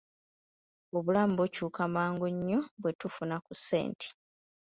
Obulamu bukyuka mangu nnyo bwe tufuna ku ssente.